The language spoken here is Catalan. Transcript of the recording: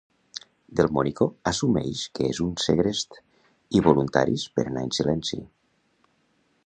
Delmonico assumeix que és un segrest i voluntaris per anar en silenci.